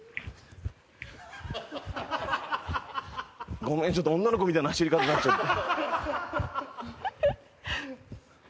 ごめん、ちょっと女の子みたいな走り方になっちゃった。